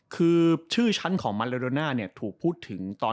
คือชื่อชั้นของมันเลโดน่าเนี่ยถูกพูดถึงตอน